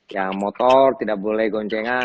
ya motor tidak boleh goncengan